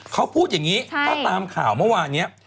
เขาพูดอย่างนี้ถ้าตามข่าวเมื่อวานนี้